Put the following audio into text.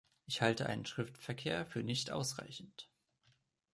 Ich halte einen Schriftverkehr für nicht ausreichend.